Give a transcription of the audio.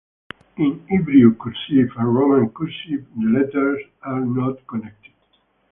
In Hebrew cursive and Roman cursive, the letters are not connected.